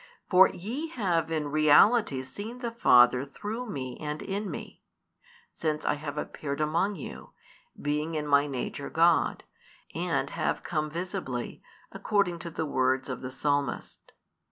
For ye have in reality seen the Father through Me and in Me; since I have appeared among you, being in My nature God, and have come visibly, according to the words of the Psalmist.